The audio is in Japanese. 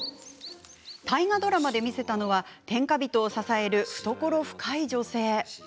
大河ドラマで見せたのは天下人を支える懐が深い女性。